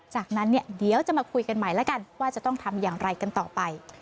จากนั้นเนี่ยเดี๋ยวจะมาคุยกันใหม่แล้วกันว่าจะต้องทำอย่างไรกันต่อไป